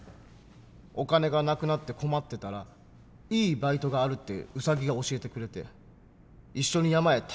お金が無くなって困ってたら「いいバイトがある」ってウサギが教えてくれて一緒に山へ薪を拾いに行ったんだ。